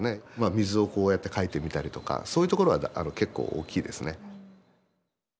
水をこうやって描いてみたりとかそういうところが結構大きいですね。